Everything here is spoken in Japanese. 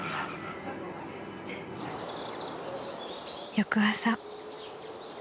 ［翌朝］